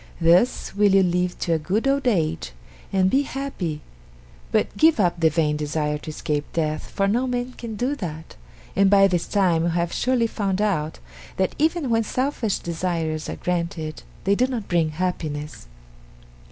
Thus will you live to a good old age and be happy, but give up the vain desire to escape death, for no man can do that, and by this time you have surely found out that even when selfish desires are granted they do not bring happiness.